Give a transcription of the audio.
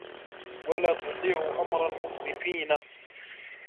وَلَا تُطِيعُوا أَمْرَ الْمُسْرِفِينَ